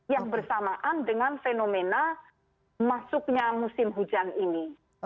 yang bersamaan dengan fenomena masuknya musim hujan ini